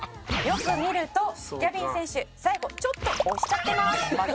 「よく見るとギャビン選手最後ちょっと押しちゃってます」